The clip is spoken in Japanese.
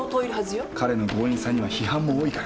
彼の強引さには批判も多いから。